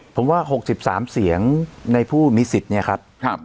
ผมว่าหกสิบสามเสียงในผู้มีสิทธิ์เนี่ยครับครับ